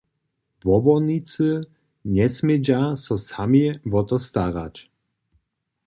Wobornicy njesmědźa so sami wo to starać.